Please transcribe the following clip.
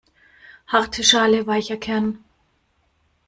Harte Schale weicher Kern.